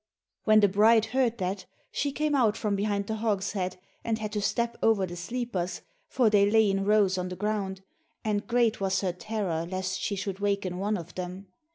When the bride heard that, she came out from behind the hogshead, and had to step over the sleepers, for they lay in rows on the ground, and great was her terror lest she should waken one of them.